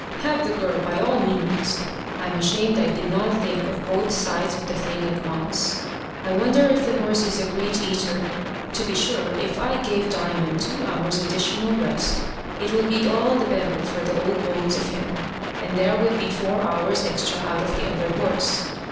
"Have the girl by all means. I'm ashamed I did not think of both sides of the thing at once. I wonder if the horse is a great eater. To be sure, if I gave Diamond two hours' additional rest, it would be all the better for the old bones of him, and there would be four hours extra out of the other horse.